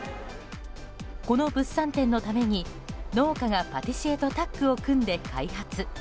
この物産展のために農家がパティシエとタッグを組んで開発。